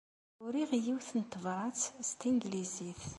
Uriɣ yiwet n tebṛat s tanglizit.